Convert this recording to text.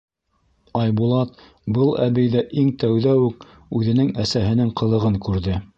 Айбулат был әбейҙә иң тәүҙә үк үҙенең әсәһенең ҡылығын күрҙе.